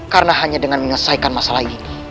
karena hanya dengan menyelesaikan masalah ini